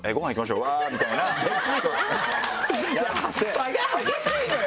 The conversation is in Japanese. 差が激しいのよ